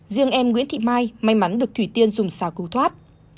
riêng em nguyễn thị mai may mắn được thủy tiên dùng xà cứu thoát